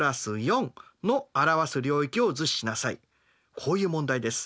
こういう問題です。